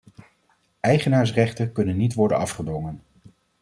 Eigenaarsrechten kunnen niet worden afgedwongen.